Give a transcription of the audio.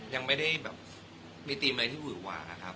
ยังไม่ได้แบบมีธีมอะไรที่หวือหวาครับ